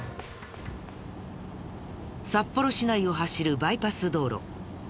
札幌市内を走るバイパス道路。